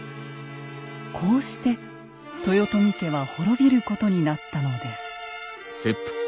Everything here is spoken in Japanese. こうして豊臣家は滅びることになったのです。